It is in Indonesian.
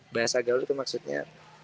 bahasa gaul itu maksudnya